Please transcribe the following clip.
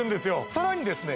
さらにですね